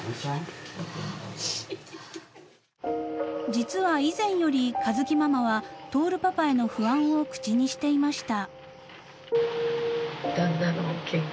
［実は以前より佳月ママは亨パパへの不安を口にしていました］